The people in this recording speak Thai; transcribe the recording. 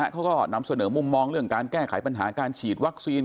เขาก็นำเสนอมุมมองเรื่องการแก้ไขปัญหาการฉีดวัคซีน